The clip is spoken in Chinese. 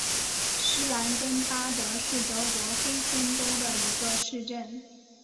施兰根巴德是德国黑森州的一个市镇。